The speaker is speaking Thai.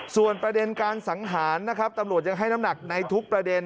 ส่วนประเด็นการสังหารนะครับตำรวจยังให้น้ำหนักในทุกประเด็น